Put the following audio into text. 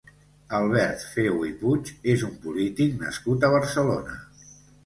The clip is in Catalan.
Albert Feu i Puig és un polític nascut a Barcelona.